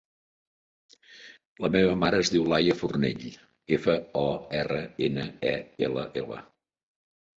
La meva mare es diu Laia Fornell: efa, o, erra, ena, e, ela, ela.